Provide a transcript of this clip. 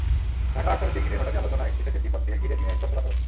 Dhaka art সামিটকে ঘিরে হঠাৎই আলোচনায় এসেছে তিব্বতকে ঘিরে চীনের স্পর্শকাতরতা।